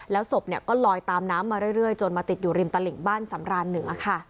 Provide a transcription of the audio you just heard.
แล้วศพก็ลอยตามน้ำมาเรื่อยจนมาติดอยู่ริมตลิ่งบ้านสำรานเหนือค่ะ